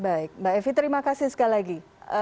baik mbak evi terima kasih sekali lagi